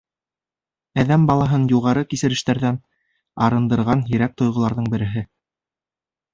Әҙәм балаһын юғары кисерештәрҙән арындырған һирәк тойғоларҙың береһе.